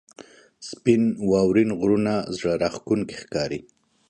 • سپین واورین غرونه زړه راښکونکي ښکاري.